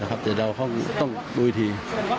แต่เราต้องดูอีกที